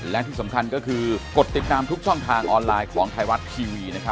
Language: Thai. และที่สำคัญก็คือกดติดตามทุกช่องทางออนไลน์ของไทยรัฐทีวี